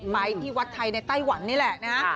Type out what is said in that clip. ไปที่วัดไทยในไต้หวันนี่แหละนะฮะ